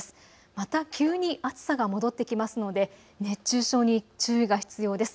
また急に暑さが戻ってきますので熱中症に注意が必要です。